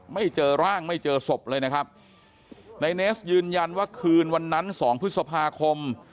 ไม่เจอร่างไม่เจอศพเลยนะครับในเนสยืนยันว่าคืนวันนั้นสองพฤษภาคม